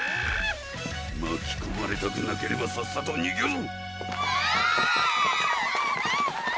まきこまれたくなければさっさとにげろ！